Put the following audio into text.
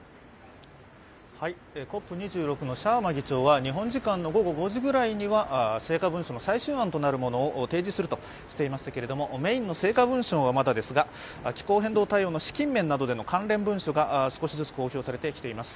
ＣＯＰ２６のシャーマ議長は日本時間の午後５時ぐらいには成果文書の最終案となるものを提示するとしていましたけれどもメインの成果文書はまだですが、気候変動対応の資金面などでの関連文書が少しずつ公表されてきています。